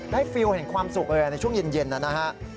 ฟิลแห่งความสุขเลยในช่วงเย็นนะฮะ